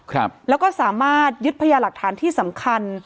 ครับแล้วก็สามารถยึดพยาหลักฐานที่สำคัญ